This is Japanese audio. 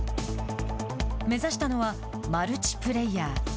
目指したのはマルチプレーヤー。